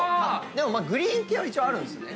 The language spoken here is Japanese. グリーン系は一応あるんですね。